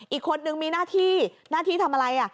อีกคนนึงมีหน้าที่หน้าที่ทำอะไร